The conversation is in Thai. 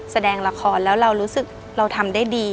แสดงลักษณ์แล้วเรารู้สึกทำได้ดี